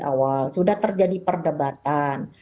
awal sudah terjadi perdebatan